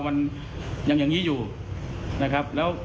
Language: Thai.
มันยังอย่างนี้อยู่นะครับแล้ว